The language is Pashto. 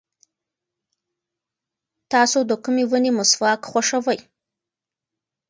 تاسو د کومې ونې مسواک خوښوئ؟